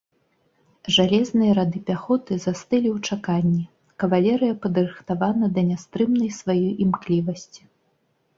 Жалезныя рады пяхоты застылі ў чаканні, кавалерыя падрыхтавана да нястрымнай сваёй імклівасці.